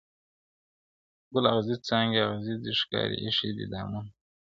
ګل اغزي څانګي اغزي دي ښکاري ایښي دي دامونه -